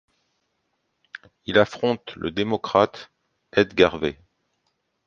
Il affronte le démocrate Ed Garvey.